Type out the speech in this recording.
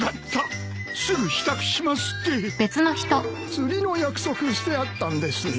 釣りの約束してあったんですよ。